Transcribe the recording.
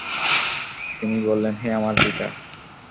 তিনি বললেন, হে আমার পিতা!